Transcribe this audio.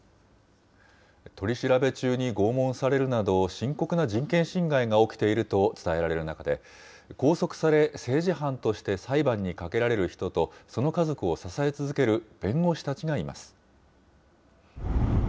取り調べ中に拷問されるなど、深刻な人権侵害が起きていると伝えられる中で、拘束され、政治犯として裁判にかけられる人と、その家族を支え続ける弁護士たちがいます。